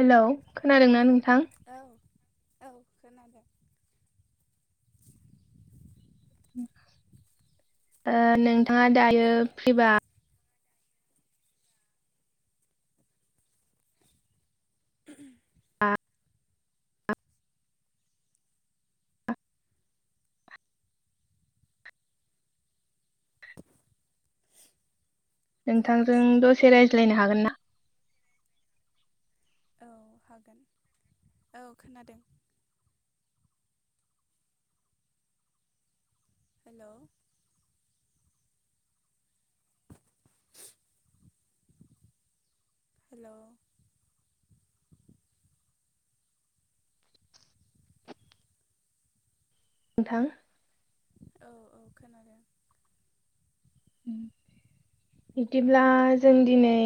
Hello खोनादोंना नोंथां औ औ खोनादों नोंथांङा दायो फ्रिबा आ [unintelligible] नोंथांजों खोनायासै नोंथां दसे रायज्लायनो हागोन ना औ हागोन औ खोनादों हेलौ हेलौ नोंथां औ औ खोनादों बिदिब्ला जों दिनै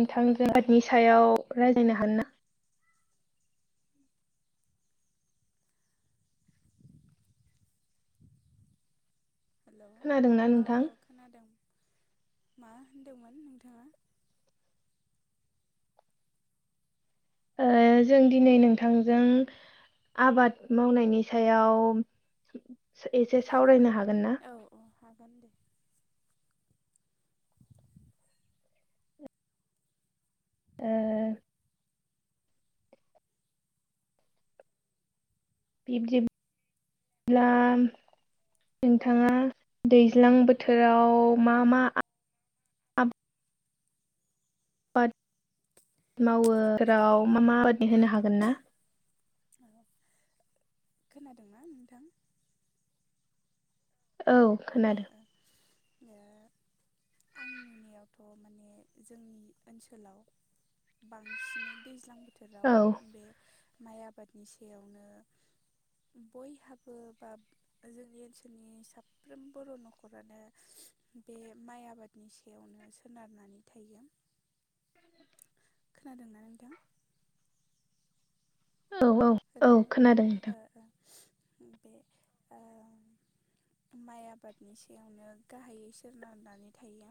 नोंथांजों आबादनि सायाव रायज्लायनो हागोन ना? हेलौ खोनादोंना औ नोंथां? अ खोनादों मा होनदोंमोन नोंथांङा ओ जों दिनै नोंथांजों आबाद मावनायनि सायाव एसे सावरायनो हागोन नामा? औ औ हागोन दे ओ बिबदि ब्ला नोंथांङा दैज्लां बोथोराव मा मा बाद मावो फोराव मा मा [unintelligible] होनो हागोन ना औ खोनादोंना नोंथां औ ओ खोनादों ओ ओ आं नुनायावथ' माने जोंनि ओनसोलाव बांसिनै दैज्लां औ बोथोराव बे माइ आबादनि सायावनो बयहाबो बा जोंनि ओनसोलनि साब साफ्रोम बर' न'खरानो बे माइ आबादनि सायावनो सोनारनानै थायो। खोनादोंनानै नोंथां औ औ औ हेलौ खोनादों नोंथां ओ ओ बे ओ माइ आबादनि सायावनो गाहायै सनारनानै थायो।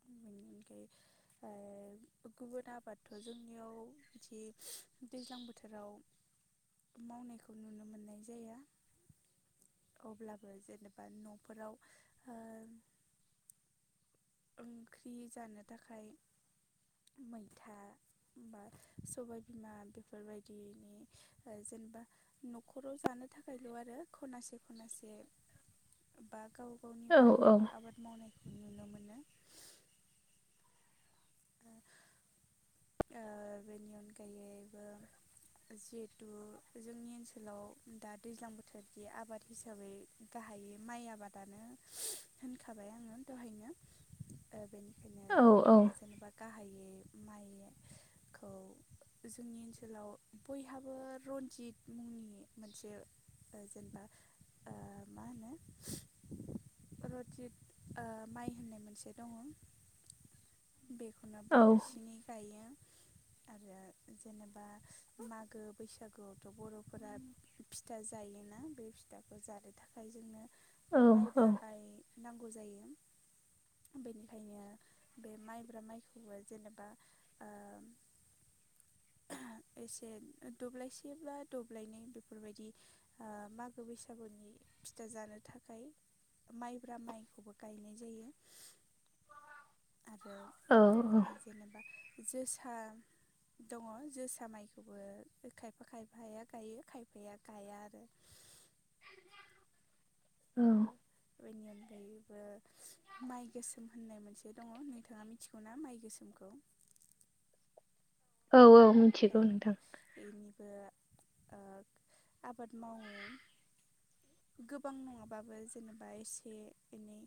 [unintelligible] ओ गुबुन आबादथ' जोंनियाव बिदि दैज्लां बोथोराव मावनायखौ नुनो मोननाय जाया। अब्लाबो जेनेबा न'फोराव ओंख्रि जानो थाखाय मैथा होनबा सबाय बिमा बेफोरबायदिनि जेनेबा न'खराव जानो थाखायल' आरो खनासे खनासे बा गाव गावनि औ औ बारियाव आबाद मावनायखौ नुनो मोनो। ओ बेनि अनगायैबो जिहेथु जोंनि ओनसोलाव दा दैज्लां बोथोरनि आबाद हिसाबै गाहायै माइ आबादानो होनखाबाय आंङो दहायनो ओ बेनिखायनो औ औ जेनेबा गाहायै माइ खौ जोंनि ओनसोलाव बयहाबो रन्जित मुंनि मोनसे ओ जेनबा ओ मा होनो रनजित ओ माइ होननाय मोनसे दङ बेखौनो औ बांसिनै गायो आरो जेनेबा मागो बैसागोआवथ' बर'फोरा फिथा जायोना बे फिथाखौ जानो थाखाय जोंनो औ माइब्रा बाय नांगौ जायो बेनिखायनो बे माइब्रा माइखौबो जेनेबा ओ एसे दब्लायसे बा दब्लायनै बेफोरबायदि ओ मागो बैसागुनि फिथा जानो थाखाय माइब्रा माइखौबो गायनाय जायो आरो औ जेनेबा जोसा दङ जोसा माइखौबो खायफा खायफाया गायो खायफाया गाया आरो ओ औ बेनि अनगायैबो माइ गोसोम होननाय मोनसे दङ नोंथाङा मिथिगौना माइ गोसोमखौ औ औ औ मिथिगौ नोंथां एनिबो ओ आबाद मावो गोबां नङाबाबो जेनेबा एसे एनै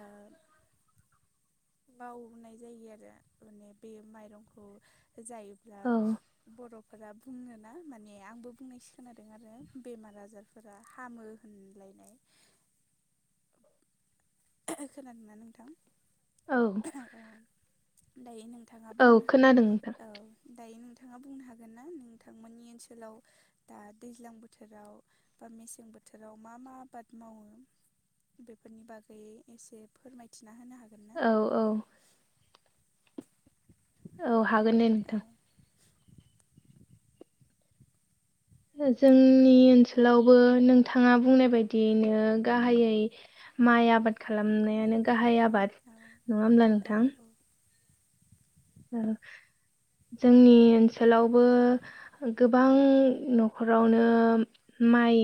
ओ मावनाय जायो आरो माने बे माइरंखौ जायोब्ला औ बर'फोरा बुङोना माने आंबो बुंनायसो खोनादों आरो बेमार आजार फोरा हामो होनलायनाय खोनादोंना नोंथां औ। दायो नोंथाङा औ बुंनो खोनादों नोंथां औ दायो नोंथाङा बुंनो हागोन ना नोंथांमोननि ओनसोलाव दा दैज्लां बोथोराव बा मेसें बोथोराव मा मा आबाद मावो? बेफोरनि बागै एसे फोरमायथिना होनो हागोन ना। औ औ औ हागोन दे औ नोंथां। जोंनि ओनसोलावबो नोंथाङा बुंनाय बायदियैनो गाहायै माइ आबाद खालामनायानो गाहाय आबाद औ नङा होमब्ला औ नोंथां। जोंनि ओनसोलावबो गोबां न'खरावनो माइ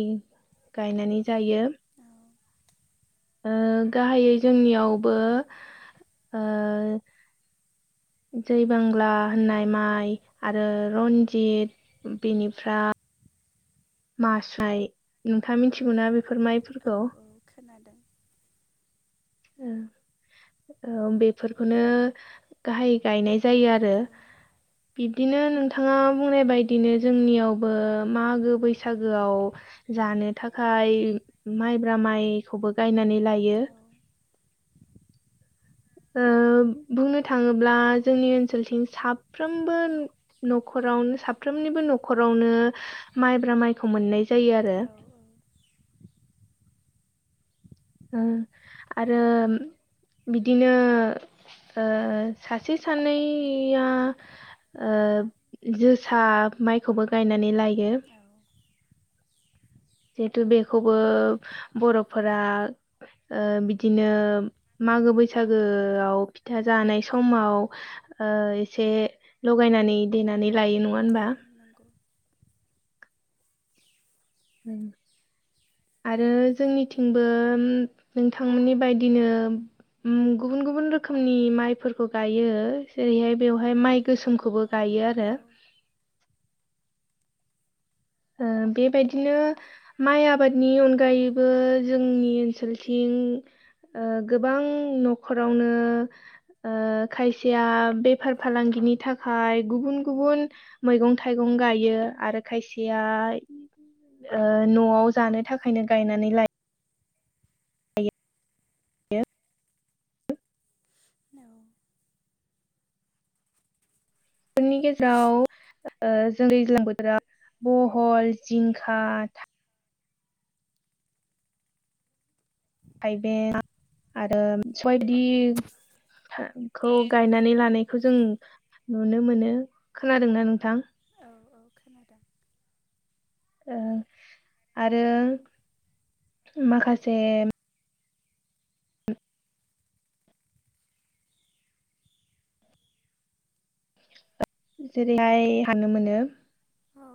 गायनानै जायो। औ ओ गाहायै जोंनियावबो ओ जै बांला होननाय माइ आरो रन्जित बेनिफ्राय मास्राय नोंथाङा मिथिगौना बेफोर औ माइफोरखौ औ खोनादों। औ बेफोरखौनो गाहायै गायनाय जायो आरो। औ बिब्दिनो नोंथाङा बुंनाय बदिनो जोंनियावबो मागो बैसागोआव जानो थाखाय माइब्रा माइखौबो गायनानै लायो। औ ओ बुंनो थाङोब्ला जोंनि ओनसोलथिं साफ्रोमबो न'खरावनो साफ्रोमनिबो न'खरावनो माइब्रा माइखौ मोननाय जायो आरो। औ ओ आरो बिदिनो ओ सासे सानैया ओ जोसा माइखौबो गायनानै लायो। औ जिहेथु बेखौबो बर'फोरा ओ बिदिनो मागो बैसागोआव फिथा जानाय समाव ओ एसे लगायनानै देनानै लायो नङा होनबा? औ नंगौ उम आरो जोंनिथिंबो नोंथांमोननि बायदिनो गुबुन गुबुन रोखोमनि माइफोरखौ गायो जेरैहाय बेवहाय माइ गोसोमखौबो गायो औ आरो। ओ बेबायदिनो माइ आबादनि अनगायैबो जोंनि ओनसोलथिं ओ गोबां न'खरावनो खायसेया बेफार फालांगिनि थाखाय गुबुन गुबुन मैगं थाइगं गायो आरो खायसे न'आव जानो थाखायनो गायनानै लायो। औ नि गेजेराव ओ जों दैज्लां बोथोराव बहल जिंखा थाइबें आरो सबाय बिदिखौ गायनानै लानाय बेखौ जों नुनो मोनो। खोनादोंना नोंथां? औ औ खोनादों। आरो माखासे जेरैहाय हानो मोनो। औ ओ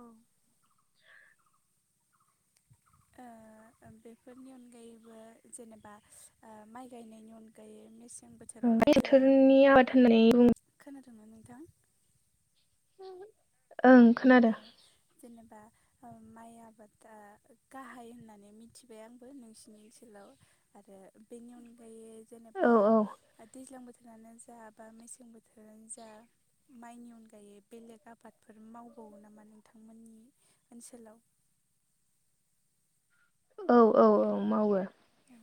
बेफोरनि अनगायैबो जेनेबा ओ माइ गायनायनि अनगायै म बोथोरनि आबाद होननानै बुंङो। खोनादों ना नोंथां? [inaudible] ओं खोनादों। औ जेनेबा माइ आबादा गाहाय होननानै मिथिबाय आंबो नोंसिनि ओनसोलाव। आरो बेनि अनगायै औ जेनेबा औ दैज्लां बोथोराव बोथोरानो जा बा मेसें बोथोरानो जा माइनि अनगायै बेलेग आबादफोर मावबावो नामा नोंथांमोननि ओनसोलाव औ औ औ मावो। औ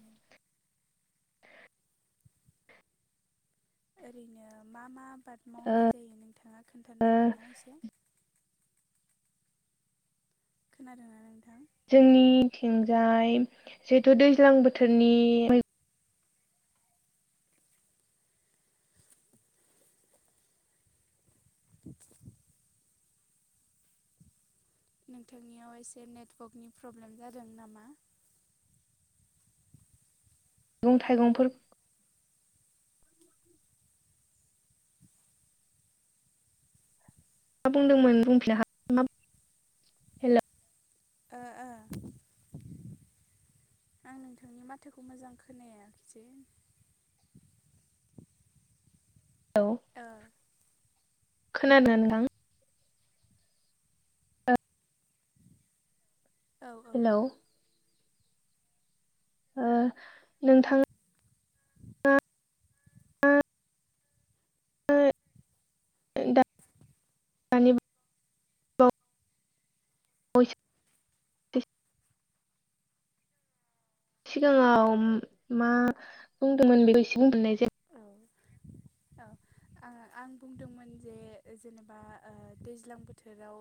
ओरैनो मा मा आबाद मावनाय जायो नोंथाङा खोन्थानो हागोन ना एसे? खोनादोंना नोंथां? जोंनि थिंजाय जिहेथु दैज्लां बोथोरनि [inaudible] [inaudible] नोंथांनियाव एसे नेटवर्कनि प्रब्लेम जादों नामा? मैगं थाइगंफोर मा बुंदोंमोन बुंफिननो हागोन। हेलौ ओ ओ आं नोंथांनि माथोखौ मोजां खोनायाखिसै। हेल' ओ खोनादों नोंथां। औ औ हेलौ ओ नोंथां दानि बावैसो सिगाङाव मा बुंदोंमोन बेखौ एसे बुंफिनाय जायो। औ औ आ आं बुंदोंमोन जे जेनेबा दैज्लां बोथोराव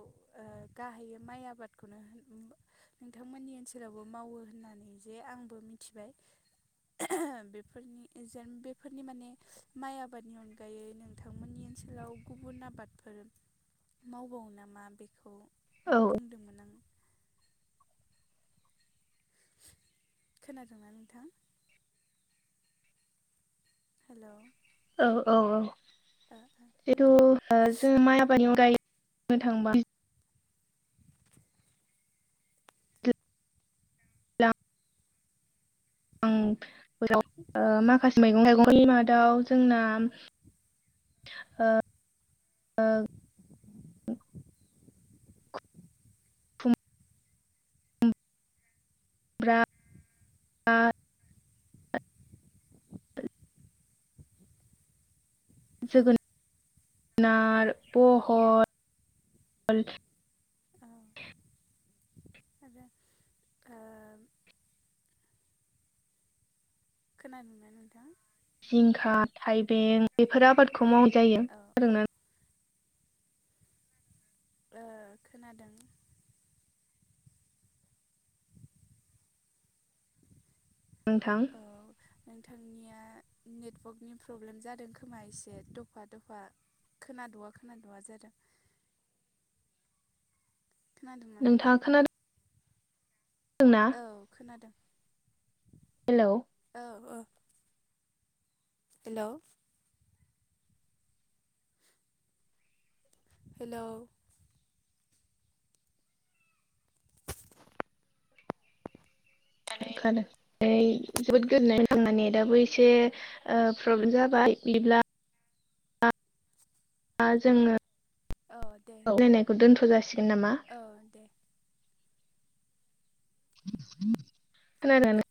गाहायै माइ आबादखौनो होन नोंथांमोननि ओनसोलावबो मावो होननानै जे आंबो मिथिबाय बेफोरनि जेन बे फोरनि माने माइ आबादनि अनगायै नोंथांमोननि ओनसोलाव गुबुन आबादफोर मावबावो नामा बेखौ औ बुंदोंमोन आं खोनादोंना नोंथां हेल' औ-औ-औ हो ओ बेथ जों माइ आबादनि अनगायै बुंनो थांबा [unintelligible] फोराव माखासे मैगं थाइगं फोरनि मादाव जोंना ओ [inaudible] ब्रा आ [unintelligible] जोगोनार बहल औ आरो ओ खोनादोंना नोंथां जिंखा थाइबें बेफोर आबादखौ मावनाय औ औ जायो [unintelligible] ओ खोनादों नोंथां औ नोंथांनिया नेटवर्कनि प्रब्लेम जादों खोमा एसे दफा दफा खोनादवा खोनादवा जादों खोनादोंना नोंथां नोंथाङा खोनादों ना औ खोनादों हेलौ औ ओ हेलौ हेलौ खोनादो जोबोद गोदोननाय आंना नेटाबबो एसे प्रब्लेम जाबाय बिदिब्ला [unintelligible] दा जोङो औ दे दे सावरायनायखौ दोन्थ' जासिगोन नामा औ दे खोनादोंना नों